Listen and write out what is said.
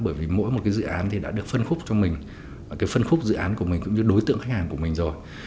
bởi vì mỗi một dự án đã được phân khúc cho mình phân khúc dự án của mình cũng như đối tượng khách hàng của mình rồi